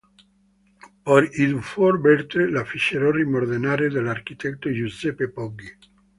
Poi i Dufour Berte la fecero rimodernare dall'architetto Giuseppe Poggi.